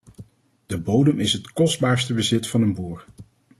De bodem is het kostbaarste bezit van een boer.